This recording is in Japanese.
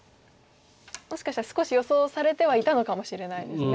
もしかしたら少し予想されてはいたのかもしれないですね。